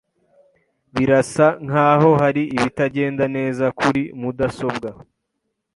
Birasa nkaho hari ibitagenda neza kuri mudasobwa.